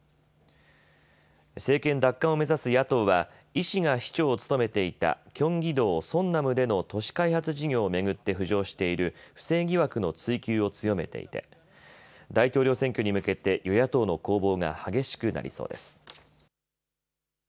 政権奪還を目指す野党はイ氏が市長を務めていたキョンギ道ソンナムでの都市開発事業を巡って浮上している不正疑惑の追及を強めていて大統領選挙に向けて与野党の攻防が激しくなりそうです。